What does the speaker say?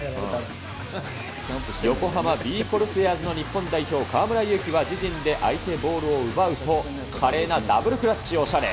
横浜ビー・コルセアーズの日本代表、河村勇輝は自陣で相手ボールを奪うと、華麗なダブルクラッチ、おしゃれ。